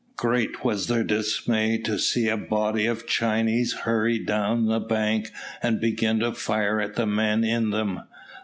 Great was their dismay to see a body of Chinese hurry down to the bank and begin to fire at the men in them.